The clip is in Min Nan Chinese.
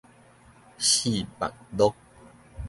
四目鹿